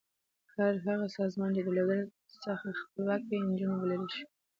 هر هغه سازمان چې له دولت څخه خپلواک وي انجو بللی شو.